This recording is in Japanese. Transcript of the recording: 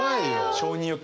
承認欲求